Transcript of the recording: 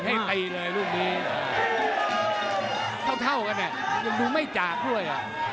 เท่ากันเนี่ยยังดูไม่จากด้วย